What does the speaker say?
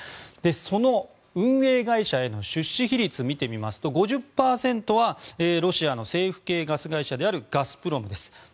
その運営会社への出資比率を見てみますと５０％はロシアの政府系ガス会社であるガスプロムです。